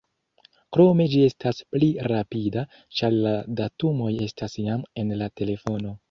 Krome ĝi estas pli rapida, ĉar la datumoj estas jam en la telefono.